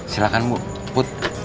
silahkan bu put